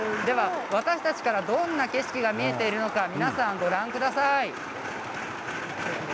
私たちからどんな景色が見えているのか皆さん、ご覧ください。